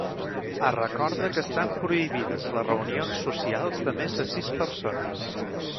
Es recorda que estan prohibides les reunions socials de més de sis persones.